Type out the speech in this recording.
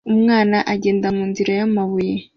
Umwana agenda munzira yamabuye